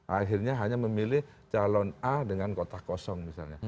akhirnya hanya memilih calon a dengan kotak kosong misalnya